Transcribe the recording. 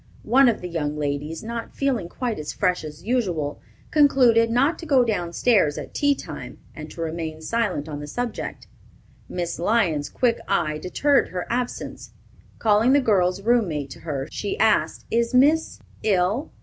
One of the young ladies, not feeling quite as fresh as usual, concluded not to go down stairs at tea time, and to remain silent on the subject. Miss Lyon's quick eye detected her absence. Calling the girl's room mate to her, she asked, "Is Miss ill?"